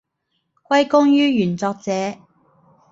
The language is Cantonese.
歸功於原作者